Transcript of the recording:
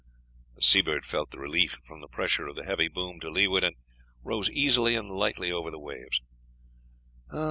The Seabird felt the relief from the pressure of the heavy boom to leeward and rose easily and lightly over the waves.